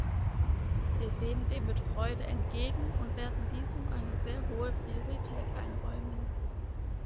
Wir sehen dem mit Freude entgegen und werden diesem eine sehr hohe Priorität einräumen.